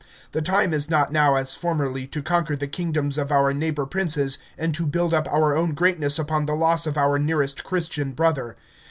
The time is not now as formerly, to conquer the kingdoms of our neighbour princes, and to build up our own greatness upon the loss of our nearest Christian Brother.